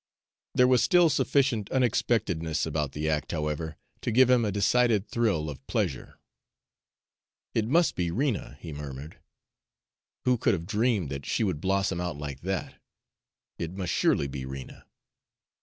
There was still sufficient unexpectedness about the act, however, to give him a decided thrill of pleasure. "It must be Rena," he murmured. "Who could have dreamed that she would blossom out like that? It must surely be Rena!"